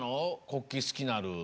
国旗すきなる。